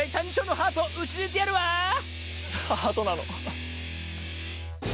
ハートなの？